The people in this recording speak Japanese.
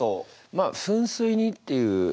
まあ「噴水に」っていう。